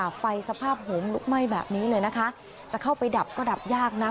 ไฟสภาพโหมลุกไหม้แบบนี้เลยนะคะจะเข้าไปดับก็ดับยากนะ